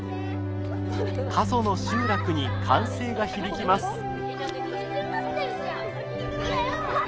過疎の集落に歓声が響きます。